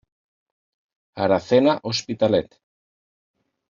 Aracena Hospitalet.